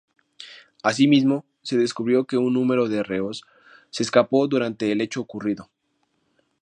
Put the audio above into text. Asimismo, se descubrió que un número de reos se escapó durante el hecho ocurrido.